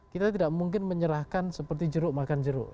kita tidak mungkin menyerahkan seperti jeruk makan jeruk